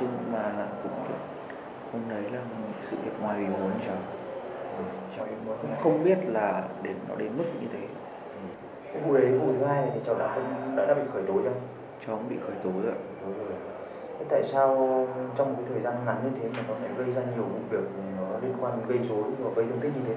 thế tại sao trong thời gian ngắn như thế cháu có thể gây ra nhiều việc liên quan gây dối và gây thương tích như thế